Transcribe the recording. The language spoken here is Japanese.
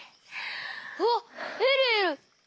あっえるえる！